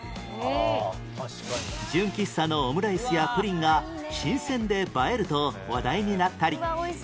純喫茶のオムライスやプリンが新鮮で映えると話題になったり